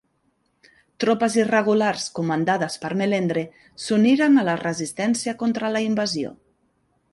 Tropes irregulars comandades per Melendre s'uniren a la resistència contra la invasió.